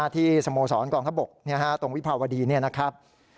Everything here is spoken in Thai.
ที่สโมสรกองทัพบกตรงวิภาวดีนี่นะครับ